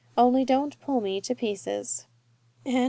Only don't pull me to pieces." THE END.